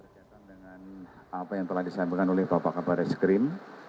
berkaitan dengan apa yang telah disampaikan oleh bapak kabar eskrim